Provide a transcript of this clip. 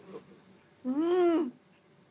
うん。